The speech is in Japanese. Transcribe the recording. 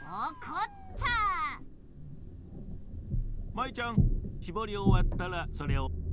舞ちゃんしぼりおわったらそれをおおさ